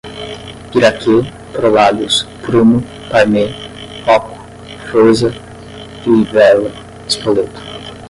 Piraquê, Prolagos, Prumo, Parmê, Rocco, Forza, Trivella, Spoleto